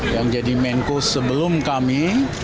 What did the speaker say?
yang jadi menko sebelum kami